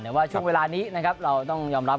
แต่ว่าช่วงเวลานี้อาจต้องยอมรับ